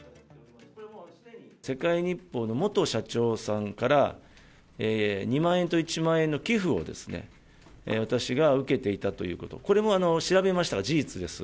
世界日報の元社長さんから、２万円と１万円の寄付を私が受けていたということ、これは調べましたが、事実です。